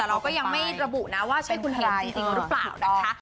แต่เราก็ยังไม่ระบุนะว่าใช่คุณเห็ดจริงหรือเปล่านะคะ